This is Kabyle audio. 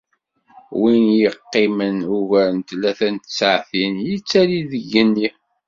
Win i yeqqimen ugar n tlata n tsaɛtin yettali deg yigenni.